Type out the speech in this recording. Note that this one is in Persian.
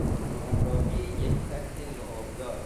براقی یک سطح لعاب دار